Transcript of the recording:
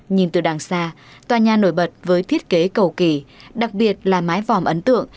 nhìn từ đảng xa tòa nhà nổi bật với thiết kế cầu kỳ đặc biệt là mái vòm ấn tượng